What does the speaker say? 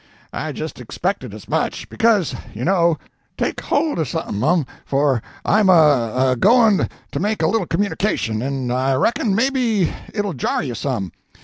"I jest expected as much. Because, you know—take hold o' suthin, mum, for I'm a a going to make a little communication, and I reckon maybe it'll jar you some.